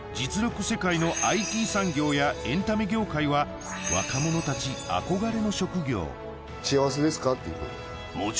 世界のＩＴ産業やエンタメ業界は若者たち憧れの職業